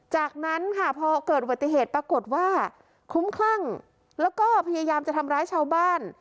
จากนั้นค่ะพอเกิดอุบัติเหตุปรากฏว่าคุ้มคลั่งแล้วก็พยายามจะทำร้ายชาวบ้าน